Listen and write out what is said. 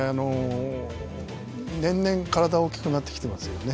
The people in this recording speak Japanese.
年々体が大きくなってきてますよね。